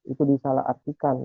itu disalah artikan